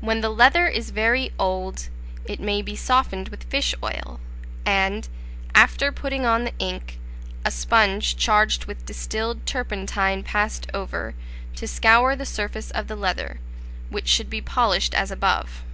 When the leather is very old, it may be softened with fish oil, and, after putting on the ink, a sponge charged with distilled turpentine passed over, to scour the surface of the leather, which should be polished as above.